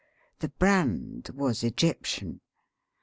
The brand was Egyp tian.